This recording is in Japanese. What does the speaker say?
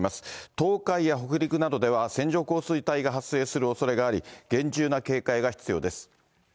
東海や北陸などでは線状降水帯が発生するおそれがあり、厳重な警戒が必要です。